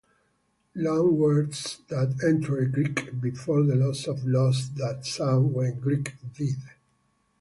Loanwords that entered Greek before the loss of lost that sound when Greek did.